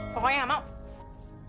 pokoknya enggak mau